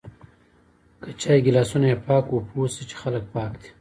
که چای ګلاسونه یی پاک و پوهه شه چی خلک پاک دی